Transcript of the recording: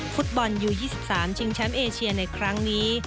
ฟุตบอลยู๒๓ชิงแชมป์เอเชียในครั้งนี้